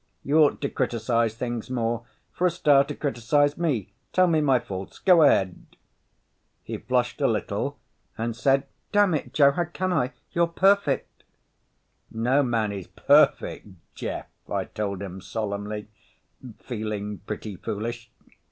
You ought to criticize things more. For a starter, criticize me. Tell me my faults. Go ahead." He flushed a little and said, "Dammit, Joe, how can I? You're perfect!" "No man is perfect, Jeff," I told him solemnly, feeling pretty foolish.